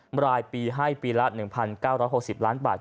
มารายปีให้ปีละ๑๙๖๐ล้านบาท